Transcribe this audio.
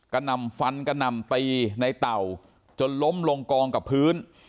กันนำฟันกันนำไปในเต่าจนล้มลงกองกับพื้น